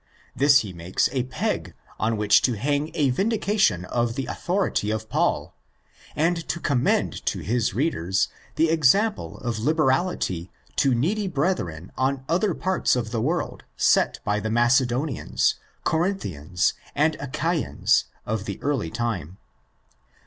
This he makes a peg on which to hang a vindication of the authority of Paul, and to commend to his readers the example of liberality to needy brethren in other parts of the world set by the Macedonians, Corinthians, and Achaians of the early time.